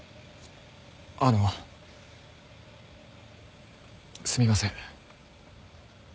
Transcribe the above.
あのすみません。